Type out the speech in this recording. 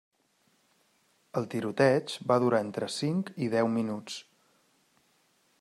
El tiroteig va durar entre cinc i deu minuts.